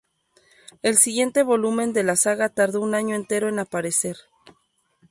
El siguiente volumen de la saga tardó un año entero en aparecer.